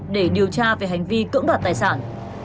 để điều tra về hành vi cưỡng đoạt tài sản